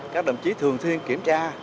các đồng chí thường thuyên kiểm tra